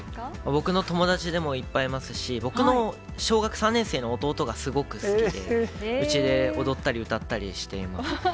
僕の友達でもいっぱいいますし、僕の小学３年生の弟がすごく好きで、うちで踊ったり歌ったりしています。